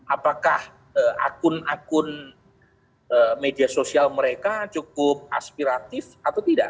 apakah akun akun media sosial mereka cukup aspiratif atau tidak